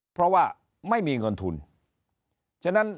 เพราะว่าไม่มีเงินทุน